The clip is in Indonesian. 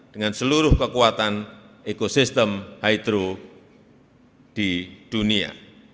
dengan seluruh kekuatan ekosistem hydro di dunia